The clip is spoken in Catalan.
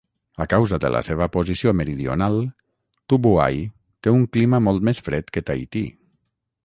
A causa de la seva posició meridional, Tubuai té un clima molt més fred que Tahití.